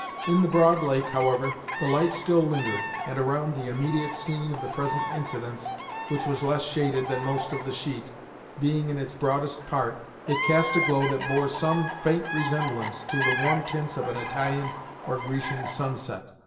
In the broad lake, however, the light still lingered, and around the immediate scene of the present incidents, which was less shaded than most of the sheet, being in its broadest part, it cast a glow that bore some faint resemblance to the warm tints of an Italian or Grecian sunset.